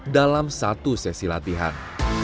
dalam satu sesi latihan